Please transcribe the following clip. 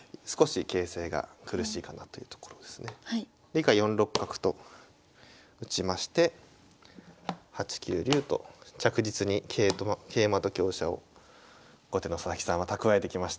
以下４六角と打ちまして８九竜と着実に桂馬と香車を後手の佐々木さんは蓄えてきました